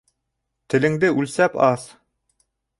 Телеңде үлсәп ас!